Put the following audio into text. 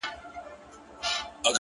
نو شاعري څه كوي;